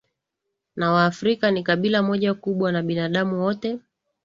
na Waafrika ni kabila moja kubwa na binadamu wote